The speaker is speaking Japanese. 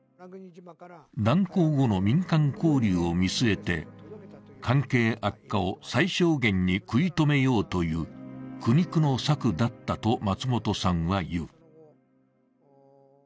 断交後の民間交流を見据えて関係悪化を最小限に食い止めようという苦肉の策だったと松本さんは言う。